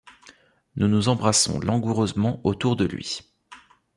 Nous nous embrassons langoureusement autour de lui.